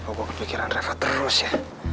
kenapa gue kepikiran reva terus ya